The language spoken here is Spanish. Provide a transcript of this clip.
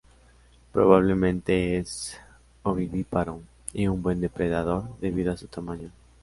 Probablemente es ovovivíparo y un buen depredador debido a su tamaño.